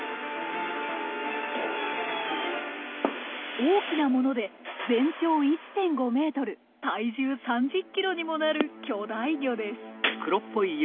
大きなもので全長１．５ｍ体重３０ｋｇにもなる巨大魚です。